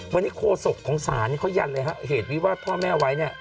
วันนี้โคสกของสารเขายันเลยครับเหตุวิว่าพ่อแม่ไว้